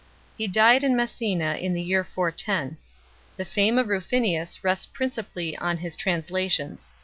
He died in Messina in the year 410. The fame of Rufinus rests principally on his translations.